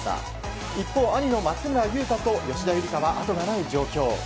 一方、兄の松村雄太と吉田夕梨花はあとがない状況。